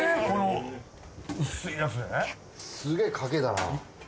すげえ賭けだな。